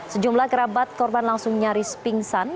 sejumlah kerabat korban langsung nyaris pingsan